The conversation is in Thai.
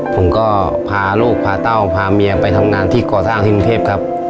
ผมก็พาลูกพาเต้าพาเมียไปทำงานที่ก่อสร้างที่กรุงเทพครับ